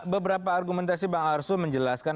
beberapa argumentasi bang arsul menjelaskan